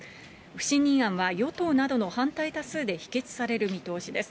不信任案は与党などの反対多数で否決される見通しです。